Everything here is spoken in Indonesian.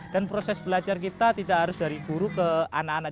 dan proses belajar kita tidak harus dari guru ke anak anak